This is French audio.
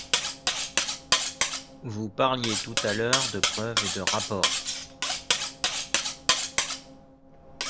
Vous parliez tout à l’heure de preuves et de rapports.